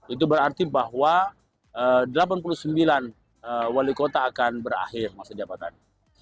itu berarti bahwa delapan puluh sembilan wali kota akan berakhir masa jabatan